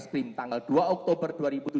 screen tanggal dua oktober dua ribu tujuh belas